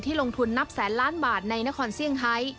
ลงทุนนับแสนล้านบาทในนครเซี่ยงไฮ